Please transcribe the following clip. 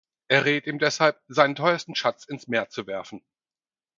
Er rät ihm deshalb, seinen teuersten Schatz ins Meer zu werfen.